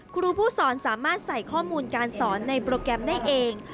ครูผู้สอนสามารถใส่ข้อมูลการสอนในโปรแกรมได้เอง